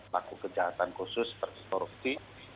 pelaku kejahatan khusus persis korupsi